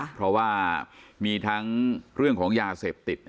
เพราะว่ามีทั้งเรื่องของยาเสพติด